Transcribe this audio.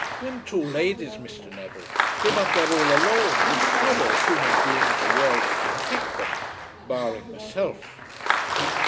"Them two ladies, Mr. Neville, live up there all alone, with sorrow a human being in the world to protect them, barring myself."